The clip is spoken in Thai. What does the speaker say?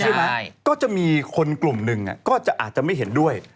ก็จะมีคนกลุ่มหนึ่งก็อาจจะไม่เห็นด้วย